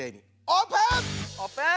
オープン！